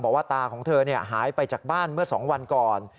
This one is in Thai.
ตาของเธอหายไปจากบ้านเมื่อ๒วันก่อน